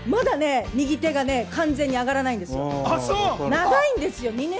右手がまだ完全に上がらないんですよ。